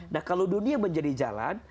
nah kalau dunia menjadi jalan